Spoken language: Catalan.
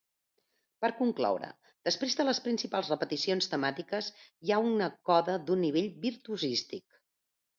Per concloure, després de les principals repeticions temàtiques hi ha una coda d'un nivell virtuosístic.